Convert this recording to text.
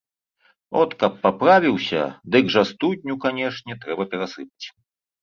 От каб паправіўся, дык жа студню, канешне, трэба перасыпаць.